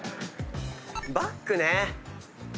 バッグね。